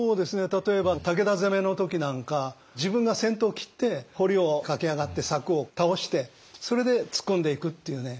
例えば武田攻めの時なんか自分が先頭を切って堀を駆け上がって柵を倒してそれで突っ込んでいくっていうね。